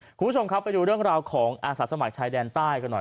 คุณผู้ชมครับไปดูเรื่องราวของอาสาสมัครชายแดนใต้กันหน่อย